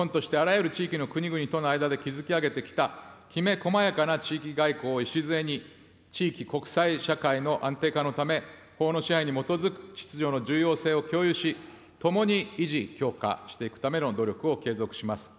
日本としてあらゆる地域の国々との間で築き上げてきたきめ細やかな地域外交を礎に、地域国際社会の安定化のため、法の支配に基づく秩序の重要性を共有し、共に維持、強化していくための努力を継続します。